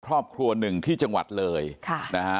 ครอบครัวหนึ่งที่จังหวัดเลยค่ะนะฮะ